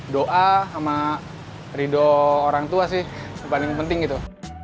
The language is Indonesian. doa sama ridho orang tua sih yang paling penting gitu